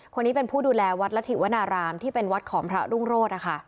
คนนี้เป็นผู้ดูแลวัดละถีวนารามที่เป็นวัดของพระรุ่งโรธ